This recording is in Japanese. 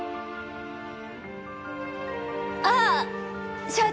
ああ社長